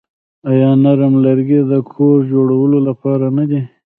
آیا نرم لرګي د کور جوړولو لپاره نه دي؟